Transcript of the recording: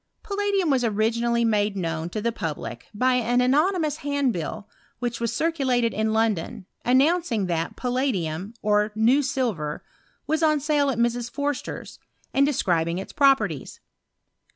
Palladium was originally made known to the fiublic by an anonymous handbill which was circa ated in London, announcing that palladium, or new silver, was on sale at Mrs. Forster's, and describing its properties.